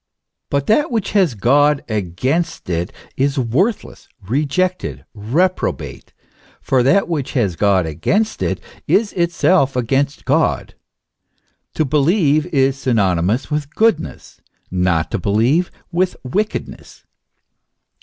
But that which has God against it is worthless, rejected, reprobate; for that which has God against it is itself against God. To believe, is synony mous with goodness; not to believe, with wickedness.